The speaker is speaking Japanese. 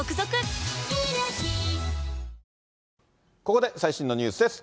ここで最新のニュースです。